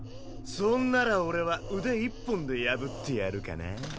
・そんなら俺は腕１本で破ってやるかな。